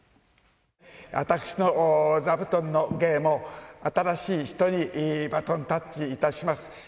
私の座布団の芸も、新しい人にバトンタッチいたします。